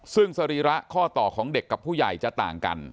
ซึ่งสรีระข้อต่อของเด็กกับผู้ใหญ่จะต่างกัน